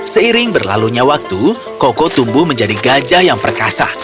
seiring berlalunya waktu koko tumbuh menjadi gajah yang perkasa